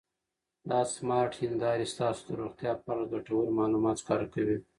دا سمارټ هېندارې ستاسو د روغتیا په اړه ګټور معلومات ښکاره کوي.